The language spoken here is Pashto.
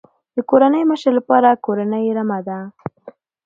د کورنۍ مشر لپاره کورنۍ رمه ده.